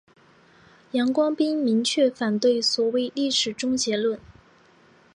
杨光斌明确反对所谓历史终结论。